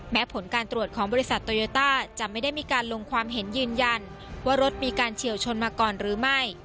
ผลการตรวจของบริษัทโตโยต้าจะไม่ได้มีการลงความเห็นยืนยันว่ารถมีการเฉียวชนมาก่อนหรือไม่